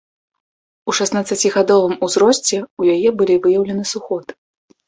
У шаснаццацігадовым узросце ў яе былі выяўлены сухоты.